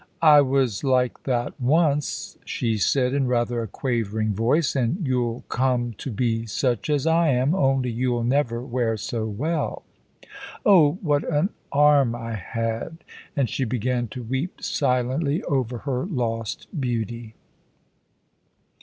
"I was like that once," she said, in rather a quavering voice, "and you'll come to be such as I am, only you'll never wear so well. Oh, what an arm I had!" and she began to weep silently over her lost beauty.